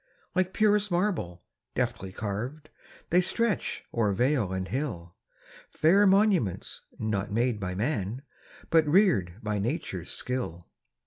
Like purest marble, deftly carv'd, They stretch o'er vale and hill, Fair monuments, not made by man, But rear'd by nature's skill.